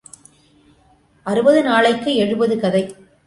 அறுபது நாளைக்கு எழுபது கதை.